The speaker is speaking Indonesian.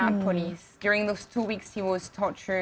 dari polisi pertahanan perintah